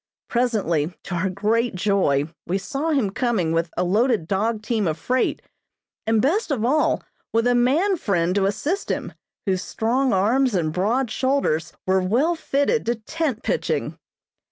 Presently, to our great joy, we saw him coming with a loaded dog team of freight, and best of all, with a man friend to assist him, whose strong arms and broad shoulders were well fitted to tent pitching.